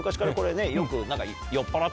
よく。